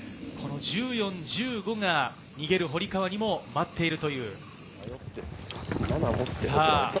１４、１５が逃げる堀川にも待っている。